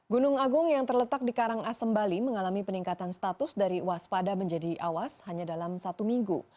gunung agung yang terletak di karangasem bali mengalami peningkatan status dari waspada menjadi awas hanya dalam satu minggu